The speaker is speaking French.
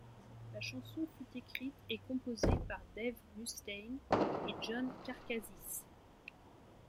La chanson fut écrite et composée par Dave Mustaine et John Karkazis.